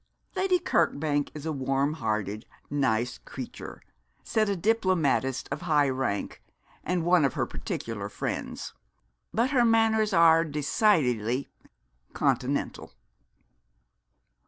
'Lady Kirkbank is a warm hearted, nice creature,' said a diplomatist of high rank, and one of her particular friends, 'but her manners are decidedly continental!'